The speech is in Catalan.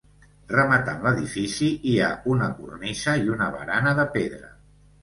Rematant l'edifici hi ha una cornisa i una barana de pedra.